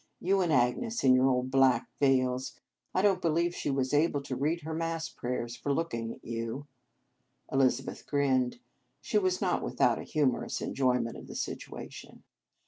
You and Agnes in your old black veils. I don t believe she was able to read her Mass prayers for looking at you." Elizabeth grinned. She was not without a humorous enjoyment of the situation.